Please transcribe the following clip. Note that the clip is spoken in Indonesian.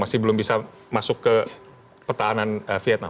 masih belum bisa masuk ke pertahanan vietnam